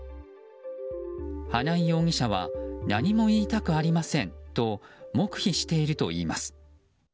花井容疑者は何も言いたくありませんと黙秘しているといいます。